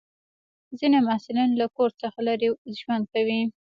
ځینې محصلین له کور څخه لرې ژوند کوي.